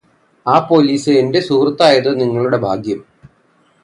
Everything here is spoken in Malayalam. ആ പോലിസ് എന്റെ സുഹൃത്തായത് നിങ്ങളുടെ ഭാഗ്യം